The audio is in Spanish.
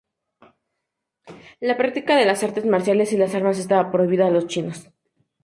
La práctica de las artes marciales y las armas estaba prohibida a los chinos.